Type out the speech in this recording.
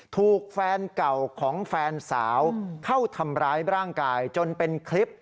ถูกแฟนเก่าของแฟนสาวเข้าทำร้ายร่างกายจนเป็นคลิป